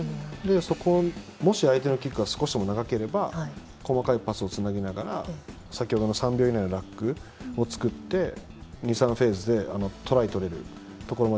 そこで、もし相手のキックが少しでも長ければ細かいパスをつなぎながら先程の３秒以内のラックを作って２３フェーズでトライを取れるところに